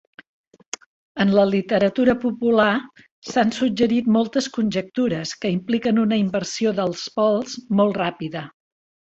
En la literatura popular, s'han suggerit moltes conjectures que impliquen una inversió dels pols molt ràpida.